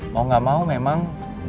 mau gak mau memang